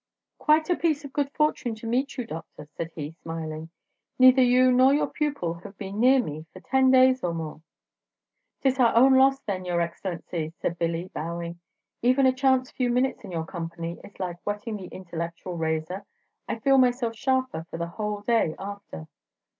"Quite a piece of good fortune to meet you, Doctor," said he, smiling; "neither you nor your pupil have been near me for ten days or more." "'Tis our own loss then, your Excellency," said Billy, bowing; "even a chance few minutes in your company is like whetting the intellectual razor, I feel myself sharper for the whole day after."